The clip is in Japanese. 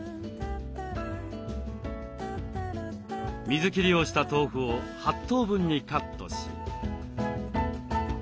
水切りをした豆腐を８等分にカットし。